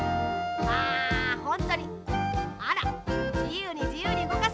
あほんとにあらじゆうにじゆうにうごかせるんですね。